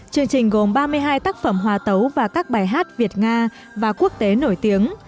chương trình gồm ba mươi hai tác phẩm hòa tấu và các bài hát việt nga và quốc tế nổi tiếng